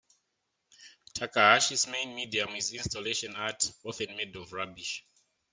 Takahashi's main medium is installation art, often made of rubbish.